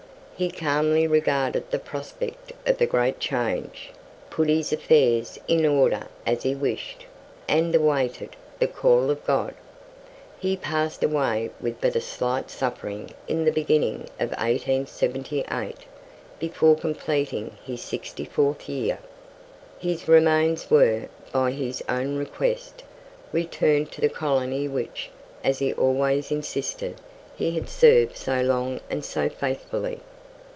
He calmly regarded the prospect of the great change, put his affairs in order as he wished, and awaited "the call of God." He passed away with but slight suffering in the beginning of 1878, before completing his 64th year. His remains were, by his own request, returned to the colony which, as he always insisted, he had served so long and so faithfully.